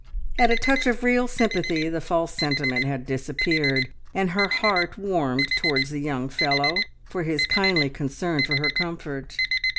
At a touch of real sympathy the false sentiment had disappeared, and her heart warmed towards the young fellow for his kindly concern for her comfort.